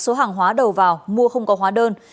số hàng hóa đầu vào mua không có hóa đơn